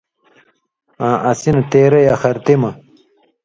(آں اسی نہ تېرئ، آخرتی مہ)،